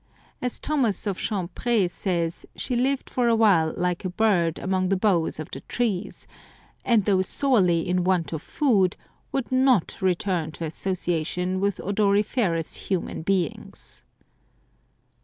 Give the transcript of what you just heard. As Thomas of Chantpr6 says, she lived for a while like a bird among the boughs of the trees, and though sorely in want of food, would not return to association with odoriferous human beings.